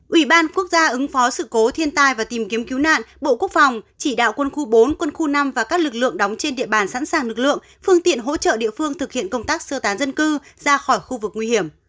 ủy ban quốc gia ứng phó sự cố thiên tai và tìm kiếm cứu nạn bộ quốc phòng chỉ đạo quân khu bốn quân khu năm và các lực lượng đóng trên địa bàn sẵn sàng lực lượng phương tiện hỗ trợ địa phương thực hiện công tác sơ tán dân cư ra khỏi khu vực nguy hiểm